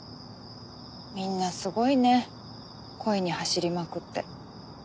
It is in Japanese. みんなすごいね恋に走りまくって。